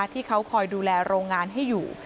ที่เขาคอยดูแลโรงงานให้อยู่